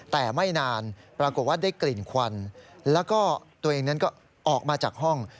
แต่ไม่นานปรากฏว่าได้กลิ่นควันแล้วก็ตัวเองนั้นก็ออกมาจากห้อง